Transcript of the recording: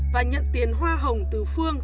và nhận tiền hoa hồng từ phương